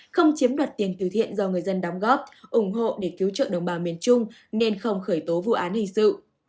không chiếm đoạt tiền từ thiện do người dân đóng góp ủng hộ để cứu trợ đồng bào miền trung nên không khởi tố vụ án hình sự